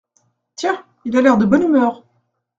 Tiens ! il a l’air de bonne humeur !